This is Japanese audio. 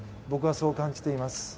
僕はそう感じています。